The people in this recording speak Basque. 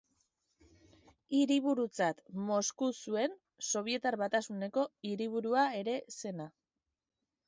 Hiriburutzat Mosku zuen, Sobietar Batasuneko hiriburua ere zena.